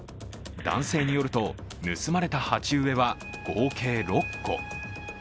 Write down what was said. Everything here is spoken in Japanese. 男性によると、盗まれた鉢植えは合計６個。